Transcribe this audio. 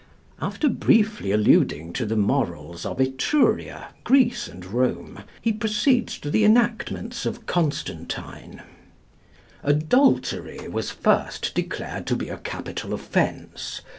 After briefly alluding to the morals of Etruria, Greece, and Rome, he proceeds to the enactments of Constantine: "Adultery was first declared to be a capital offence